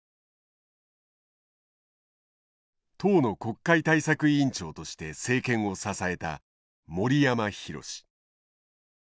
党の国会対策委員長として政権を支えた森山裕。